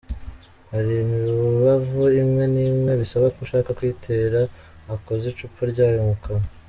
Hari imibavu imwe n’imwe bisaba ko ushaka kuyitera akoza icupa ryayo mu kwaha.